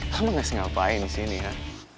kamu ngasih ngapain di sini kan